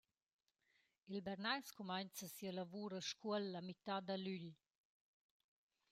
Il Bernais cumainza sia lavur a Scuol la mità da lügl.